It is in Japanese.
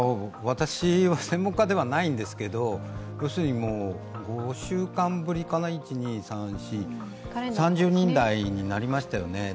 私は専門家ではないんですけれども、５週間ぶりかな、３０人台になりましたよね